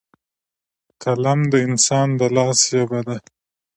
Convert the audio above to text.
قلم د انسان د لاس ژبه ده.